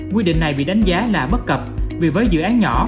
quy định này bị đánh giá là bất cập vì với dự án nhỏ